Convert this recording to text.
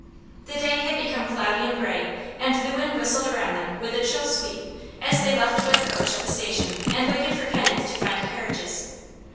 The day had become cloudy and gray and the wind whistled around them with a chill sweep as they left their coach at the station and waited for Kenneth to find carriages.